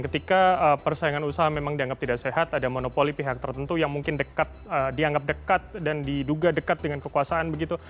ketika persaingan usaha memang dianggap tidak sehat ada monopoli pihak tertentu yang mungkin dianggap dekat dan diduga dekat dengan kekuasaan begitu